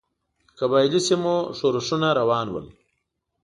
د قبایلي سیمو ښورښونه روان ول.